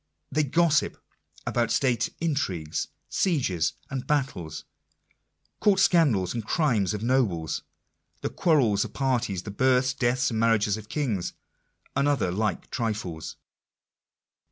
— they gossip about state intrigues, sieges and battles, court scandal, the crimes of nobles, the quarrels of parties, the births, deaths, and marriages of kings, and other like trifles.